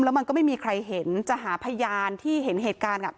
แล้วมันก็ไม่มีใครเห็นจะหาพยานที่เห็นเหตุการณ์